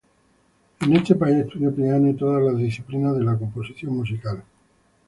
En ese país estudió piano y todas las disciplinas de la composición musical.